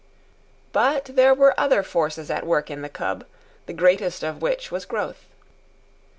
But there were other forces at work in the cub, the greatest of which was growth.